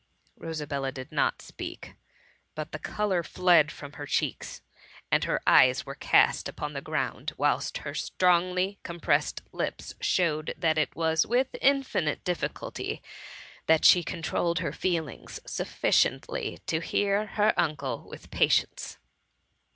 '' Rosabella did not speak, but the colour fied from her cheeks, and her eyes were cast upon the ground, whilst her strongly compressed lips showed that it was with infinite diiBSciilty that she controlled her feelings sufficiently to hear her uncle with patience.